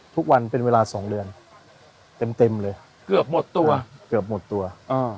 ทุกวันเป็นเวลา๒เดือนเต็มเลยเกือบหมดตัวเกือบหมดตัว